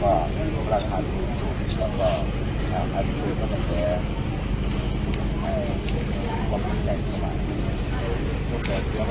วันนี้ครับพี่ชอบทีเตียงครับครับผมจังน์แล้วก็